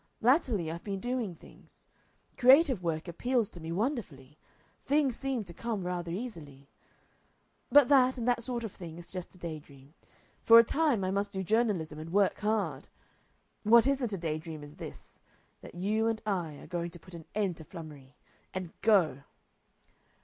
Latterly I've been doing things.... Creative work appeals to me wonderfully. Things seem to come rather easily.... But that, and that sort of thing, is just a day dream. For a time I must do journalism and work hard.... What isn't a day dream is this: that you and I are going to put an end to flummery and go!"